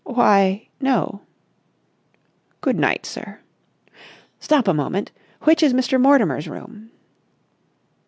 "Why, no." "Good night, sir." "Stop a moment. Which is Mr. Mortimer's room?"